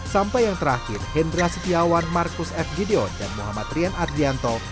sampai yang terakhir hendra setiawan marcus f gideon dan muhammad rian ardianto